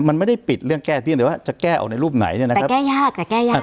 มันไม่ได้ปิดเรื่องแก้เพียงแต่ว่าจะแก้ออกในรูปไหนเนี่ยนะครับจะแก้ยากแต่แก้ยาก